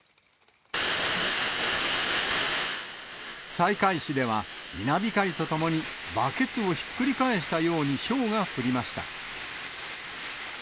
西海市では、稲光とともにバケツをひっくり返したようにひょうが降りました。